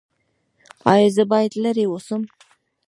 ایا زه باید لرې اوسم؟